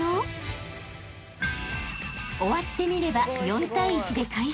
［終わってみれば４対１で快勝］